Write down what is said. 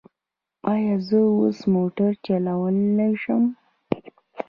ایا زه اوس موټر چلولی شم؟